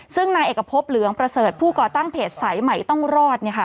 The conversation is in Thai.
ซึ่งนายเอกพบเหลืองประเสริฐผู้ก่อตั้งเพจสายใหม่ต้องรอดเนี่ยค่ะ